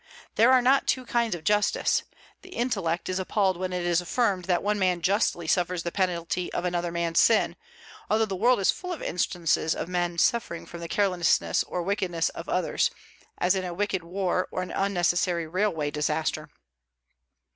There are not two kinds of justice. The intellect is appalled when it is affirmed that one man justly suffers the penalty of another man's sin, although the world is full of instances of men suffering from the carelessness or wickedness of others, as in a wicked war or an unnecessary railway disaster.